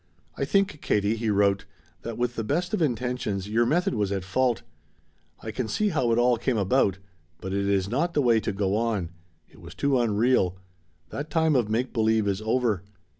"I think, Katie," he wrote, "that with the best of intentions, your method was at fault. I can see how it all came about, but it is not the way to go on. It was too unreal. The time of make believe is over.